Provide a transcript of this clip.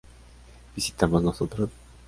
¿Visitamos nosotros?